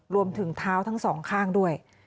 รวมถึงเท้าทั้งสองข้างด้วย